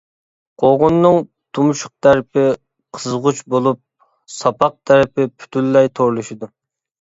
قوغۇننىڭ تۇمشۇق تەرىپى قىزغۇچ بولۇپ، ساپاق تەرىپى پۈتۈنلەي تورلىشىدۇ.